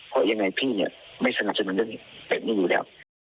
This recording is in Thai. เพราะยังไงพี่เนี่ยไม่สนับสนุนเรื่องนี้แบบนี้อยู่แล้ว